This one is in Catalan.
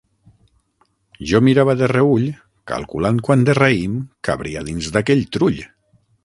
Jo mirava de reüll, calculant quant de raïm cabria dins d'aquell trull.